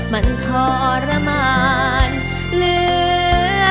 มันทรมานเหลือเกิน